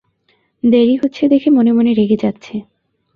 দেরি হচ্ছে দেখে মনে-মনে রেগে যাচ্ছে।